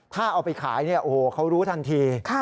ถ้าเอาไปขายโอ้เขารู้ทันที